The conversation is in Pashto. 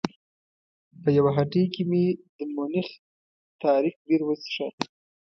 په یوه هټۍ کې مې د مونیخ تاریک بیر وڅښه.